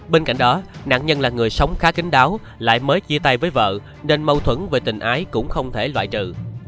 bên cạnh đó nạn nhân là người sống khá kính đáo lại mới chia tay với vợ nên mâu thuẫn về tình ái cũng không thể loại trừ